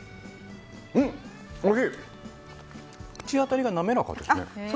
口当たりが滑らかですね。